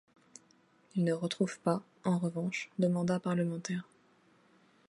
Il ne retrouve pas, en revanche, de mandat parlementaire.